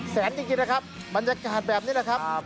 แสนยิงกินนะครับบรรยากาศแบบนี้นะครับ